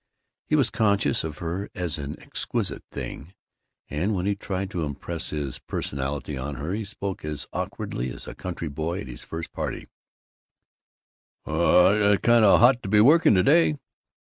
He was conscious of her as an exquisite thing, and when he tried to impress his personality on her he spoke as awkwardly as a country boy at his first party: "Well, kinda hot to be working to day."